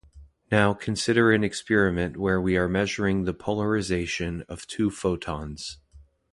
Now, consider an experiment where we are measuring the polarization of two photons.